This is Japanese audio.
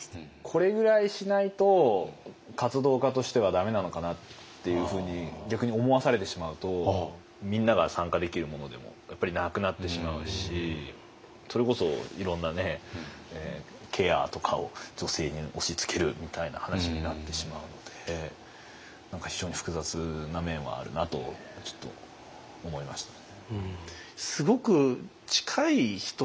これぐらいしないと活動家としてはダメなのかなっていうふうに逆に思わされてしまうとみんなが参加できるものでもやっぱりなくなってしまうしそれこそいろんなケアとかを女性に押しつけるみたいな話になってしまうので何か非常に複雑な面はあるなとちょっと思いましたね。